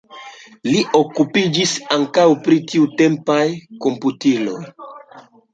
Li okupiĝis ankaŭ pri tiutempaj komputiloj.